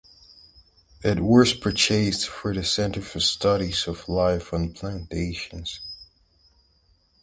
It was purchased for their Center for Studies of Life on Plantations.